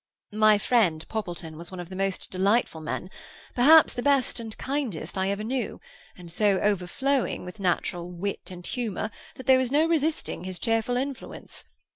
"My friend Poppleton was one of the most delightful men—perhaps the best and kindest I ever knew, and so overflowing with natural wit and humour that there was no resisting his cheerful influence.